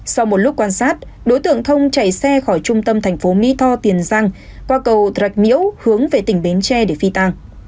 sau một lúc quan sát đối tượng thông chạy xe khỏi trung tâm thành phố mỹ tho tiền giang qua cầu rạch miễu hướng về tỉnh bến tre để phi tang